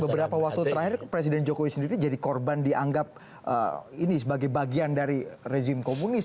beberapa waktu terakhir presiden jokowi sendiri jadi korban dianggap ini sebagai bagian dari rezim komunis